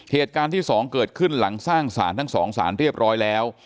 เหตุการณ์ที่๒เกิดขึ้นหลังสร้างสารทั้งสองสารเรียบร้อยแล้ว